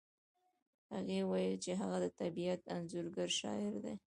هغې وویل چې هغه د طبیعت انځورګر شاعر دی